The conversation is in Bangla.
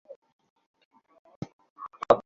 মুহূর্তের জন্য স্তম্ভিত হইয়া রহিলেন।